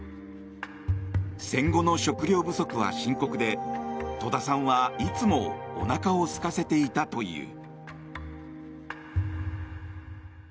戦後の食料不足は深刻で戸田さんはいつもおなかをすかせていたという。